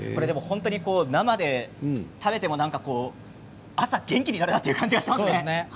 生で食べても朝元気になるなという感じがしますね。